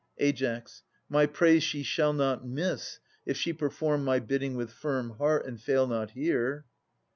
Ai. My praise she shall not miss, if she perform My bidding with firm heart, and fail not here.